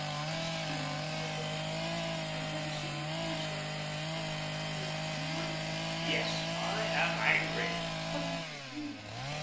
"How stern you look, Austin! I have never seen your face like that. You are angry?" "Yes, I am angry." "But not with me?"